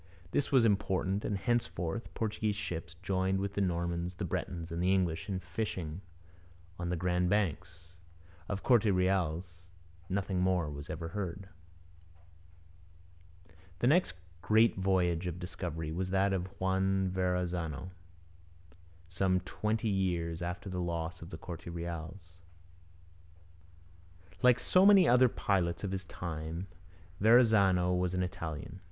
This was important, and henceforth Portuguese ships joined with the Normans, the Bretons, and the English in fishing on the Grand Banks. Of the Corte Reals nothing more was ever heard. The next great voyage of discovery was that of Juan Verrazano, some twenty years after the loss of the Corte Reals. Like so many other pilots of his time, Verrazano was an Italian.